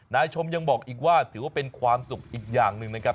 นายชมยังบอกอีกว่าถือว่าเป็นความสุขอีกอย่างหนึ่งนะครับ